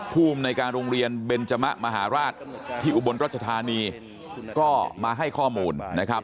ภูมิในการโรงเรียนเบนจมะมหาราชที่อุบลรัชธานีก็มาให้ข้อมูลนะครับ